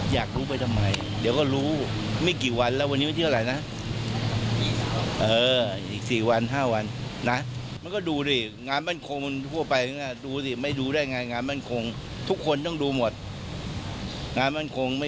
อยากรู้ไปทำไมเดี๋ยวก็รู้ไม่กี่วันแล้ววันนี้ไม่ได้เชื่ออะไรนะ